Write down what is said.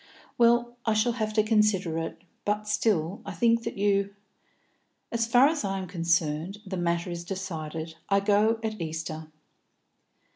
"Well, I shall have to consider it. But I still think that you " "As far as I am concerned, the matter is decided. I go at Easter."